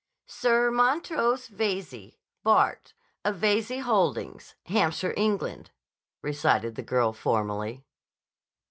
"Sir Montrose Veyze, Bart., of Veyze Holdings, Hampshire, England," recited the girl formally.